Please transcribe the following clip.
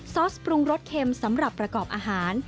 ซอสปรุงรสเค็มสำหรับประกอบอาหาร